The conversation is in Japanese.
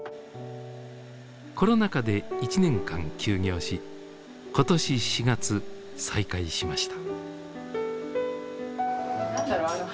コロナ禍で１年間休業し今年４月再開しました。